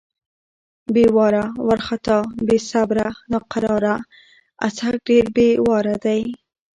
بې واره، وارختا= بې صبره، ناقراره. اڅک ډېر بې واره دی.